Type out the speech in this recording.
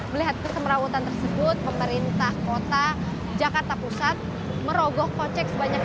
melihat kesemerawutan tersebut pemerintah kota jakarta pusat merogoh kocek sebanyak